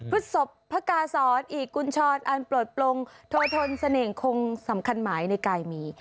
ศพพระกาศรอีกกุญชรอันปลดปลงโทษนเสน่หงสำคัญหมายในกายมี